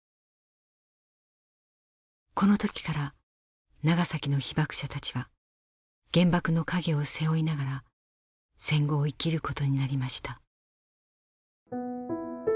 この時から長崎の被爆者たちは原爆の影を背負いながら戦後を生きることになりました。